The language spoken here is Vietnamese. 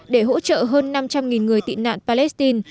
để hỗ trợ hơn năm trăm linh người tị nạn palestine